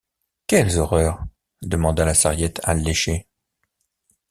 Quelles horreurs? demanda la Sarriette alléchée.